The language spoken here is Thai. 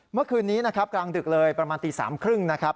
เมื่อคืนนี้นะครับกลางดึกเลยประมาณตี๓๓๐นะครับ